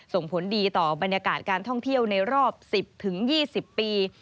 ส่งผลดีต่อบรรยากาศการท่องเที่ยวในรอบ๑๐๒๐ปี